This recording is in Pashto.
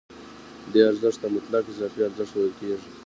دې ارزښت ته مطلق اضافي ارزښت ویل کېږي